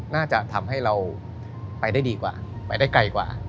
น่าจะทำให้เราไปได้ดีกว่าไปได้ไกลกว่า